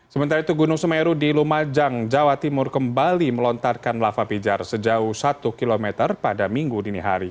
sementara itu gunung semeru di lumajang jawa timur kembali melontarkan lava pijar sejauh satu km pada minggu dini hari